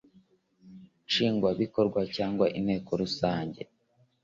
Nshingwabikorwa cyangwa Inteko Rusange